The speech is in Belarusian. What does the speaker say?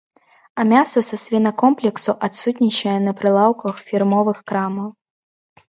А мяса са свінакомплексу адсутнічае на прылаўках фірмовых крамаў.